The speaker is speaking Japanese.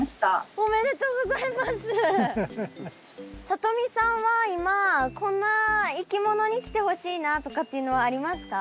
さとみさんは今こんないきものに来てほしいなとかっていうのはありますか？